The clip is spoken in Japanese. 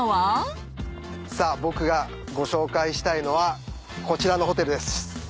さあ僕がご紹介したいのはこちらのホテルです。